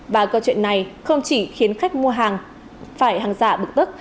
và câu chuyện này không chỉ khiến khách mua hàng phải hàng giả bực tức